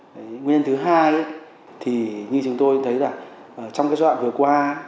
nguyên nhân thứ hai thì như chúng tôi thấy là trong giai đoạn vừa qua